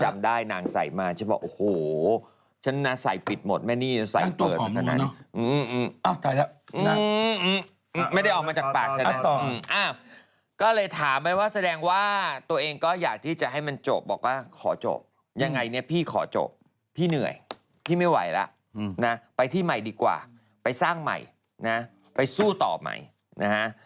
ไม่ตามสัญญาณต้องยายออกอยู่แล้วสิ้นปีหรือสิ้นเดือน